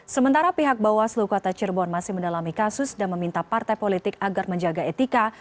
sementara pihak bawaslu kota cirebon masih mendalami kasus dan meminta partai politik agar menjaga etika